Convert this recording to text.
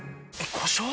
故障？